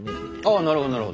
ああなるほどなるほど。